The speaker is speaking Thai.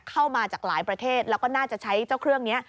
เข้ามาจากหลายประเทศแล้วก็น่าจะใช้เจ้าเครื่องนี้